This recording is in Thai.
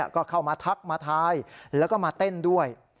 ก็เข้ามาทักมาทายแล้วก็มาเต้นด้วย